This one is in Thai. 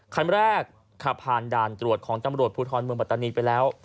คันแรกขับผ่านด่านตรวจของตำรวจภูทรเมืองปัตตานีไปแล้ว